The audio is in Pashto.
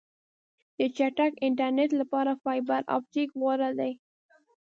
د چټک انټرنیټ لپاره فایبر آپټیک غوره دی.